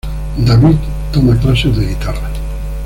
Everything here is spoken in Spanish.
David toma clases de guitarra.